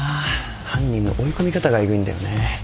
犯人の追い込み方がえぐいんだよね。